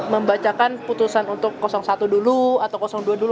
membacakan putusan untuk satu dulu atau dua dulu